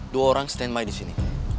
dua orang stand by disini